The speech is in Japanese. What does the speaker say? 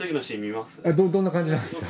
どんな感じなんですか？